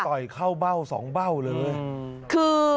ต่อยเข้าเบ้า๒เบ้าเลย